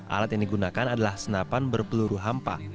alat yang digunakan adalah senapan berpeluru hampa